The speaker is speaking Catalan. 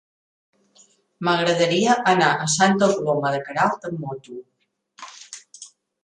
M'agradaria anar a Santa Coloma de Queralt amb moto.